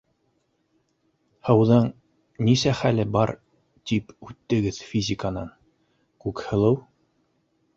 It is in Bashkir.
Һыуҙың нисә хәле бар тип үттегеҙ физиканан, Күкһылыу?